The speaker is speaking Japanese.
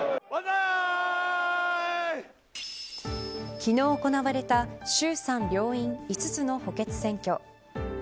昨日行われた衆参両院５つの補欠選挙。